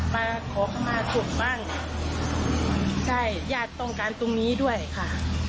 มาขอเข้ามาศพบ้างใช่ญาติต้องการตรงนี้ด้วยค่ะ